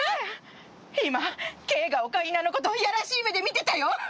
今圭がオカリナのこといやらしい目で見てたよ！